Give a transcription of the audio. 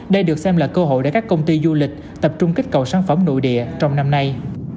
đây được xem là cơ hội để các công ty du lịch tập trung kích cầu sản phẩm nội địa trong năm nay